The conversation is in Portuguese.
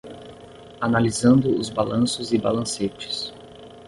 Analisando os balanços e balancetes